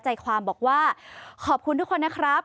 ใจความบอกว่าขอบคุณทุกคนนะครับ